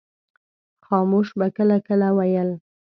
خاموش به کله کله ویل.